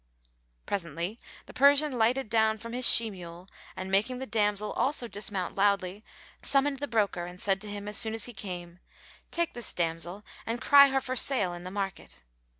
Presently the Persian lighted down from his she mule and making the damsel also dismount loudly summoned the broker and said to him as soon as he came, "Take this damsel and cry her for sale in the market."